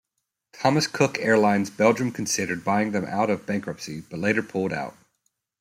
Thomas Cook Airlines Belgium considered buying them out of bankruptcy, but later pulled out.